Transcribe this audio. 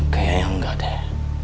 kayaknya enggak deh